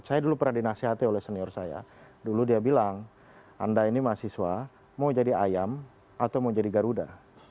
saya dulu pernah dinasihati oleh senior saya dulu dia bilang anda ini mahasiswa mau jadi ayam atau mau jadi garuda